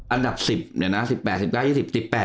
อันดับ๑๐เนี่ยนะ๑๘๑๙๒๐๑๘